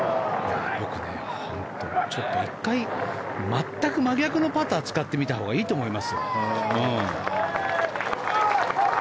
ちょっと１回全く真逆のパターを使ってみたほうがいいと思いますよ。